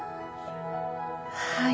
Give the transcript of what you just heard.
はい。